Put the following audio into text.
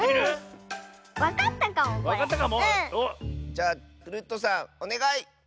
じゃあクルットさんおねがい！